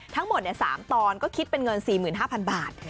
ทั้งหมด๓ตอนก็คิดเป็นเงิน๔๕๐๐บาท